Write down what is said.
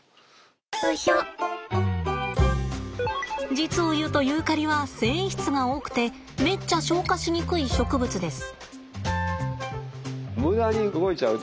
実を言うとユーカリは繊維質が多くてめっちゃ消化しにくい植物です。